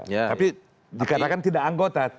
tapi dikatakan tidak anggota